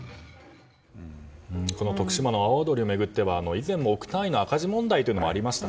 この徳島の阿波踊りを巡っては以前も億単位の赤字問題というのがありました。